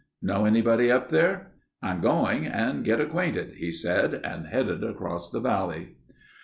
"Know anybody up there?" "I'm going and get acquainted," he said and headed across the valley.